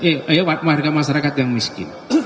ayo warga masyarakat yang miskin